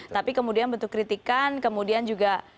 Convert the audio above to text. tapi kemudian bentuk kritikan kemudian juga